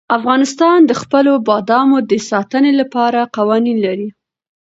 افغانستان د خپلو بادامو د ساتنې لپاره قوانین لري.